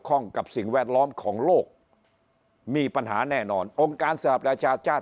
ข้องกับสิ่งแวดล้อมของโลกมีปัญหาแน่นอนองค์การสหประชาชาติ